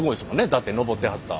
だって登ってはった